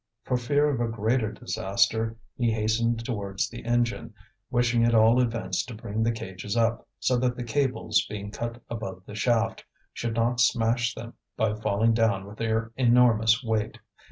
For fear of a greater disaster he hastened towards the engine, wishing at all events to bring the cages up, so that the cables, being cut above the shaft, should not smash them by falling down with their enormous weight.